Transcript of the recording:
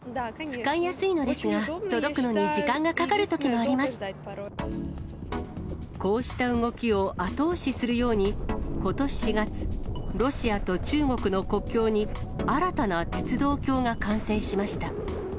使いやすいのですが、届くのこうした動きを後押しするように、ことし４月、ロシアと中国の国境に、新たな鉄道橋が完成しました。